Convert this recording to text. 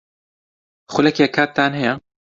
خولەکێک کاتتان ھەیە؟